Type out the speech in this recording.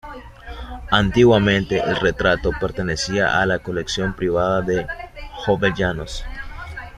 Antiguamente el retrato pertenecía a la colección privada de Jovellanos.